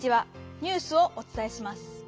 ニュースをおつたえします。